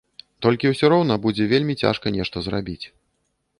Толькі ўсё роўна будзе вельмі цяжка нешта зрабіць.